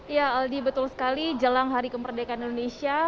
ya aldi betul sekali jelang hari kemerdekaan indonesia